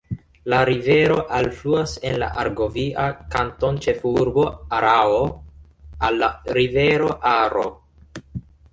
La rivero alfluas en la argovia kantonĉefurbo Araŭo al la rivero Aro.